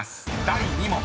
第２問］